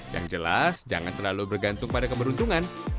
yang jelas jangan terlalu bergantung pada keberuntungan